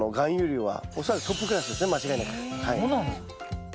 そうなんですか。